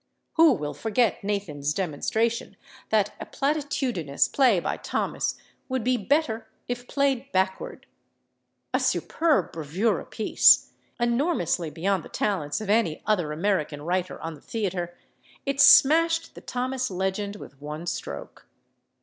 Who will forget Nathan's demonstration that a platitudinous play by Thomas would be better if played backward? A superb bravura piece, enormously beyond the talents of any other American writer on the theater, it smashed the Thomas legend with one stroke.